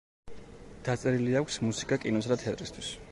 დაწერილი აქვს მუსიკა კინოსა და თეატრისათვის.